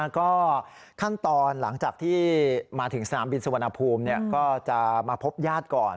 ก็ขั้นตอนหลังจากที่มาถึงนรัฐสนามก็จะมาพบยาตก่อน